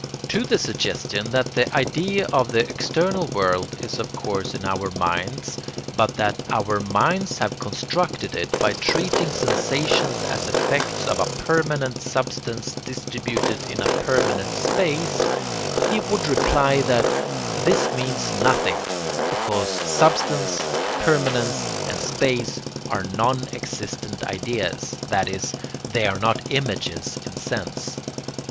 To the suggestion that the idea of the external world is of course in our minds, but that our minds have constructed it by treating sensations as effects of a permanent substance distributed in a permanent space, he would reply that this means nothing, because "substance," "permanence," and "space" are non existent ideas, i.e., they are not images in sense.